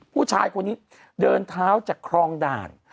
ผู้ชายคนนี้เดินเท้าจากครองด่าน